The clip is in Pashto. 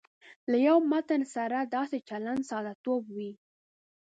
له یوه متن سره داسې چلند ساده توب وي.